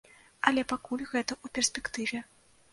Але пакуль гэта ў перспектыве.